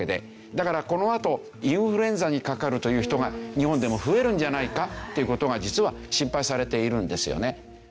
だからこのあとインフルエンザにかかるという人が日本でも増えるんじゃないかっていう事が実は心配されているんですよね。